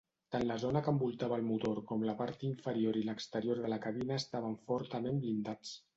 Tant la zona que envoltava el motor com la part inferior i l'exterior de la cabina estaven fortament blindats.